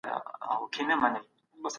ډیپلوماسي د پټو معاملو په مانا نه ده.